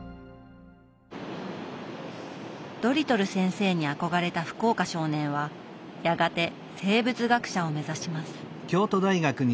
ドリトル先生に憧れた福岡少年はやがて生物学者を目指します。